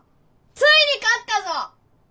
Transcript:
ついに勝ったぞ！